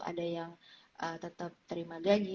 ada yang tetap terima gaji